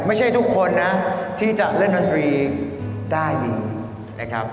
ไม่ใช่ทุกคนนะที่จะเล่นดนตรีได้เลยนะครับ